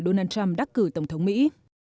donald trump đắc cử tổng thống mỹ